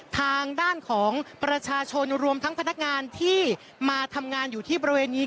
ทางด้านของประชาชนรวมทั้งพนักงานที่มาทำงานอยู่ที่บริเวณนี้